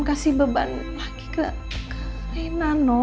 jangan kasih beban lagi ke rena no